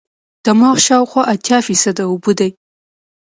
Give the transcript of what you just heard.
دماغ شاوخوا اتیا فیصده اوبه دي.